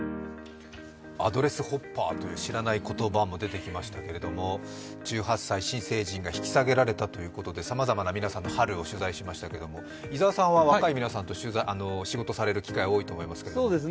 アドレスホッパーという知らない言葉も出てきましたけれども１８歳、新成人が引き下げられたということでさまざまな皆さんの春を取材しましたけれども、伊沢さんは若い皆さんと仕事される機会が多いと思いますが。